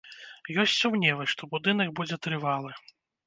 Ёсць сумневы, што будынак будзе трывалы.